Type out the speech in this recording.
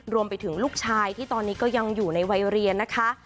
รวมไปถึงลูกชายที่ตอนนี้ก็ยังอยู่ในวัยเรียนนะคะ